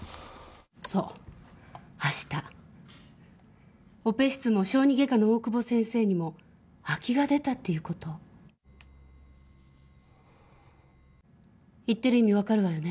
そう明日オペ室も小児外科の大久保先生にも空きが出たっていうこと言ってる意味分かるわよね？